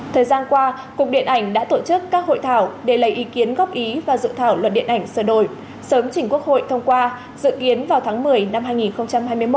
thời gian qua cục điện ảnh đã tổ chức các hội thảo để lấy ý kiến góp ý và dự thảo luật điện ảnh sơ đổi sớm chỉnh quốc hội thông qua dự kiến vào tháng một mươi năm hai nghìn hai mươi một